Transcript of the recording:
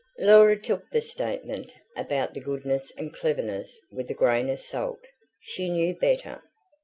Laura took the statement about the goodness and cleverness with a grain of salt: she knew better.